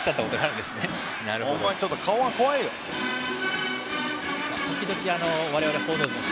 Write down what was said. お前、ちょっと顔が怖いよと。